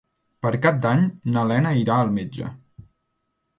Per Cap d'Any na Lena irà al metge.